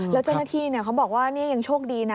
แล้วเจ้าหน้าที่เขาบอกว่านี่ยังโชคดีนะ